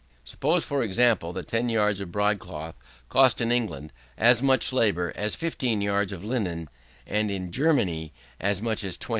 Suppose, for example, that 10 yards of broad cloth cost in England as much labour as 15 yards of linen, and in Germany as much as 20.